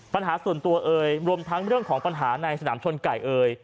ปัญหาส่วนตัวเอ่ยรวมทั้งเรื่องของปัญหาในสนามชนไก่เอ่ย